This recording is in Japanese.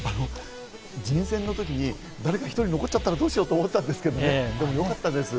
人選の時に誰か１人残っちゃったらどうしようって思ったんですけど、よかったです。